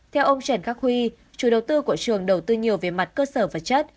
theo ông trần khắc huy chủ đầu tư của trường đầu tư nhiều về mặt cơ sở vật chất